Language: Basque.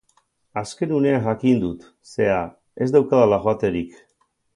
Azken unean jakin dut, zera, ez daukadala joaterik.